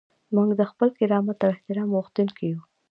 موږ د خپل کرامت او احترام غوښتونکي یو.